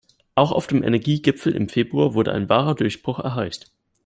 Auch auf dem Energiegipfel im Februar wurde ein wahrer Durchbruch erreicht.